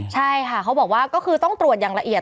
ใช่ค่ะเขาบอกว่าก็คือต้องตรวจอย่างละเอียด